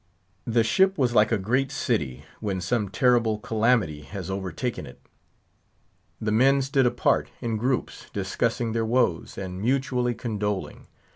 The ship was like a great city, when some terrible calamity has overtaken it. The men stood apart, in groups, discussing their woes, and mutually condoling.